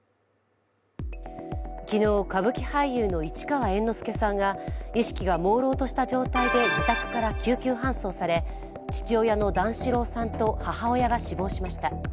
昨日、歌舞伎俳優の市川猿之助さんが意識がもうろうとした状態で自宅から救急搬送され父親の段四郎さんと母親が死亡しました。